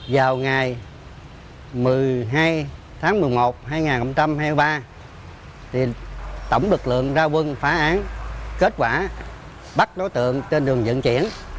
vào ngày một mươi hai tháng một mươi một hai nghìn hai mươi ba tổng lực lượng ra quân phá án kết quả bắt đối tượng trên đường dẫn chuyển